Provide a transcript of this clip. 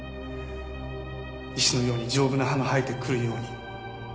石のように丈夫な歯が生えてくるように。